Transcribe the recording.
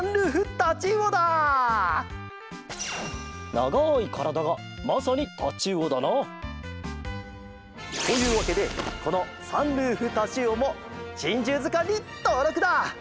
ながいからだがまさにタチウオだな。というわけでこのサンルーフタチウオも「珍獣図鑑」にとうろくだ！